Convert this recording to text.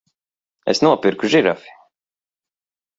Es nopirku žirafi!